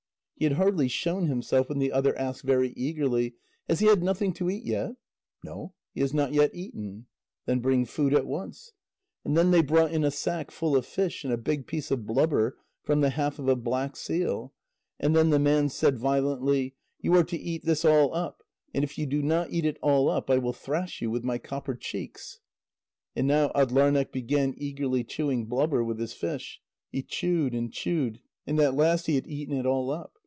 He had hardly shown himself, when the other asked very eagerly: "Has he had nothing to eat yet?" "No, he has not yet eaten." "Then bring food at once." And then they brought in a sack full of fish, and a big piece of blubber from the half of a black seal. And then the man said violently: "You are to eat this all up, and if you do not eat it all up, I will thrash you with my copper cheeks!" And now Atdlarneq began eagerly chewing blubber with his fish; he chewed and chewed, and at last he had eaten it all up.